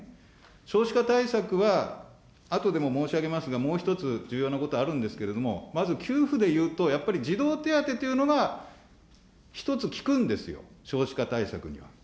少子化対策は、あとでも申し上げますが、もう一つ重要なことあるんですけれども、まず給付でいうと、やっぱり児童手当というのが１つきくんですよ、少子化対策には。